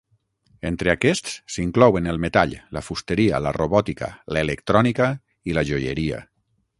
Entre aquests s'inclouen el metall, la fusteria, la robòtica, l'electrònica i la joieria.